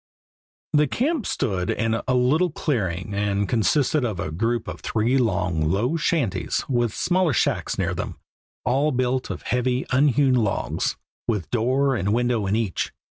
The camp stood in a little clearing, and consisted of a group of three long, low shanties with smaller shacks near them, all built of heavy, unhewn logs, with door and window in each.